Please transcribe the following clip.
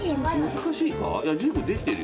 難しいか？